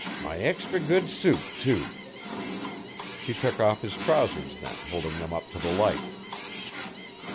'My extry good suit' too!' He took off his trousers, then, holding them up to the light.